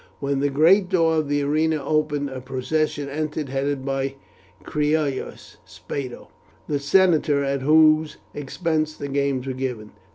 When the great door of the arena opened a procession entered, headed by Cneius Spado, the senator at whose expense the games were given.